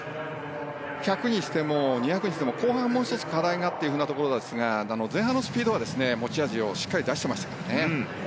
１００にしても２００にしても後半もう１つ課題がというところですが前半のスピードは、持ち味をしっかり出してましたからね。